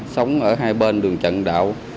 sống ở hai bên đường trần hưng đạo